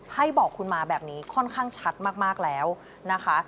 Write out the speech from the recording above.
ให้บอกคุณมาแบบนี้ค่อนข้างชัดมากแล้วนะคะ